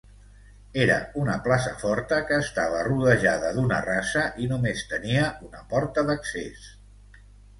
Era una plaça forta que estava rodejada d'una rasa i només tenia una porta d'accés.